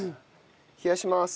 冷やします。